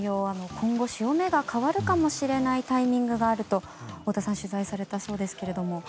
今後、潮目が変わるかもしれないタイミングがあると太田さん取材されたそうですけれども。